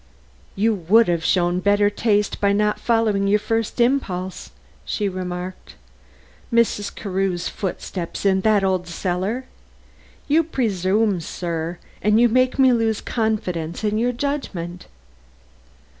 "You would have shown better taste by not following your first impulse," she remarked. "Mrs. Carew's footsteps in that old cellar! You presume, sir, and make me lose confidence in your judgment."